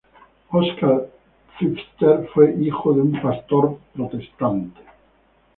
Oskar Pfister fue hijo de un pastor protestante.